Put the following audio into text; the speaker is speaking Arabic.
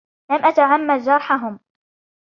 لم أتعمد جرحهم